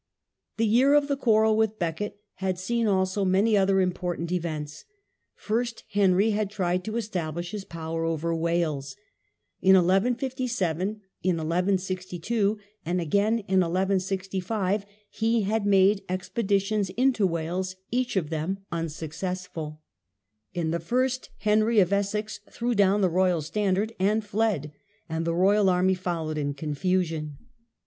The year of the quarrel with Becket had seen also many other important events. First Henry had tried to establish his power over Wales. In 1 157, in 1 162, and again in 1165 he had made expeditions into Wales, each Henry's of them unsucccssful. In the first Henry of Welsh wars. Essex threw down the royal standard and fled, and the royal army followed in confusion.